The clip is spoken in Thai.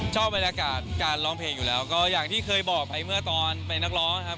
ชอบบรรยากาศการร้องเพลงอยู่แล้วก็อย่างที่เคยบอกไปเมื่อตอนเป็นนักร้องครับ